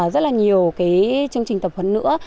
rất là nhiều chương trình tập huấn nữa